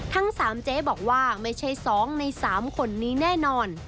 ทั้งสามเจ๊บอกว่าไม่ใช่สองในสามคนนี้แน่นอน